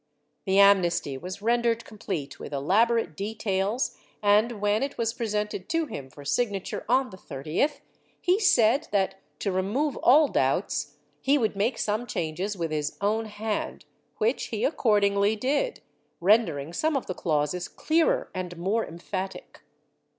The amnesty was rendered complete with elaborate details and, when it was presented to him for signature on the 30th, he said that, to remove all doubts, he would make some changes with his own hand, which he accordingly did, rendering some of the clauses clearer and more emphatic.